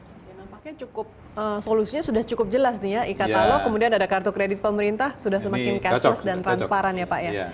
ya nampaknya cukup solusinya sudah cukup jelas nih ya e katalog kemudian ada kartu kredit pemerintah sudah semakin cashless dan transparan ya pak ya